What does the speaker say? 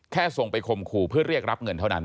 ส่งไปข่มขู่เพื่อเรียกรับเงินเท่านั้น